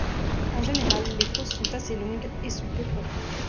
En général, les fosses sont assez longues et sont peu profondes.